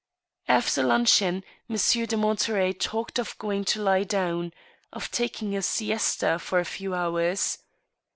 After luncheon. Monsieur de Monterey talked of going to lie down — of taking a siesta for a few hours.